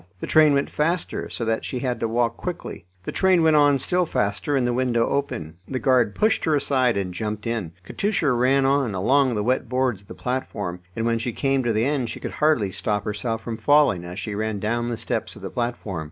The train went faster, so that she had to walk quickly. The train went on still faster and the window opened. The guard pushed her aside, and jumped in. Katusha ran on, along the wet boards of the platform, and when she came to the end she could hardly stop herself from falling as she ran down the steps of the platform.